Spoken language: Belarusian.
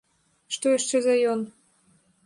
Што яшчэ за ён?